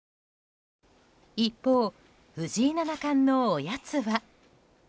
一方、藤井七冠のおやつは。